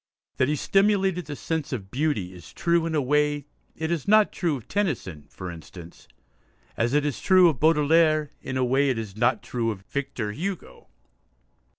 That he stimulated the sense of beauty is true in a way it is not true of Tennyson, for instance, as it is true of Baudelaire in a way it is not true of Victor Hugo.